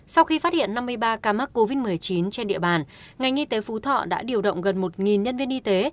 sau khi phát hiện năm mươi ba ca mắc covid một mươi chín trên địa bàn ngành y tế phú thọ đã điều động gần một nhân viên y tế